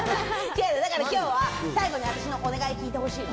今日は最後に私のお願い、聞いてほしいの！